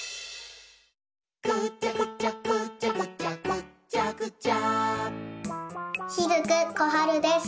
「ぐちゃぐちゃぐちゃぐちゃぐっちゃぐちゃ」雫心遥です。